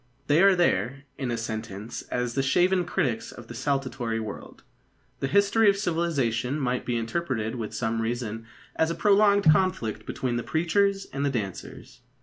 They are there, in a sentence, as the shaven critics of a saltatory world. The history of civilisation might be interpreted with some reason as a prolonged conflict between the preachers and the dancers.